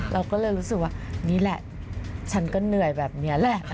เราก็เลยรู้สึกว่านี่แหละฉันก็เหนื่อยแบบนี้แหละ